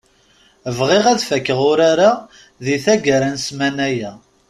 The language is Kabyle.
Bɣiɣ ad fakkeɣ urar-a di taggara n ssmana-ya.